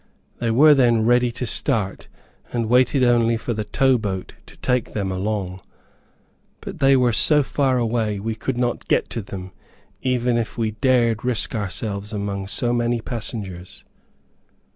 They were then ready to start, and waited only for the tow boat to take them along. But they were so far away we could not get to them, even if we dared risk ourselves among so many passengers.